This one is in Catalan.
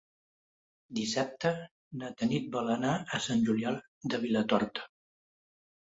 Dissabte na Tanit vol anar a Sant Julià de Vilatorta.